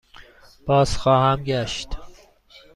بازخواهم گشت.